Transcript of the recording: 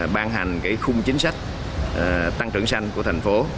ban hành khung chính sách tăng trưởng xanh của thành phố